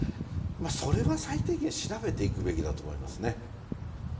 それは最低限、調べていくべきだと思いますね。